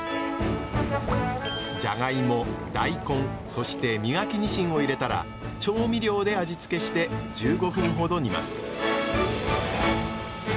じゃがいも大根そして身欠きにしんを入れたら調味料で味付けして１５分ほど煮ます。